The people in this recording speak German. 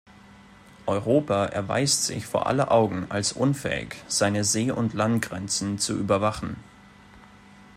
Europa erweist sich vor aller Augen als unfähig, seine See- und Landgrenzen zu überwachen.